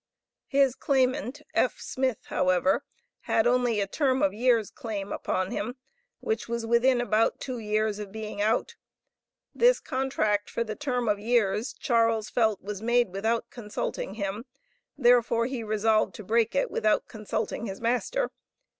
His claimant, F. Smith, however, had only a term of years claim upon him, which was within about two years of being out. This contract for the term of years, Charles felt was made without consulting him, therefore he resolved to break it without consulting his master.